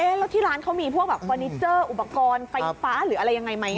แล้วที่ร้านเขามีพวกแบบเฟอร์นิเจอร์อุปกรณ์ไฟฟ้าหรืออะไรยังไงไหม